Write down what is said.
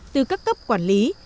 từ các cấp quản lý